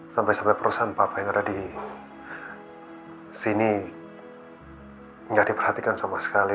sampai sampai perusahaan papa yang ada di sini tidak diperhatikan sama sekali